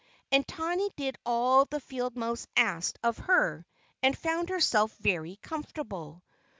And Tiny did all the field mouse asked her, and found herself very comfortable.